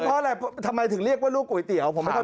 เพราะอะไรทำไมถึงเรียกว่าลูกก๋วยเตี๋ยวผมไม่ต้อง